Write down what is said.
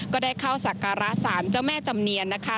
ก็ได้เข้าสักการะสารเจ้าแม่จำเนียนนะคะ